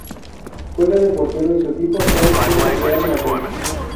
Juega de portero y su equipo actual es el Real Madrid.